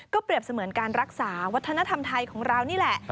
เปรียบเสมือนการรักษาวัฒนธรรมไทยของเรานี่แหละ